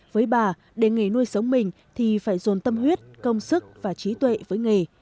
với bà để nghề nuôi sống mình thì phải dồn tâm huyết công sức và trí tuệ với nghề